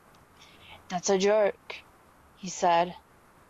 "That's a joke," he said.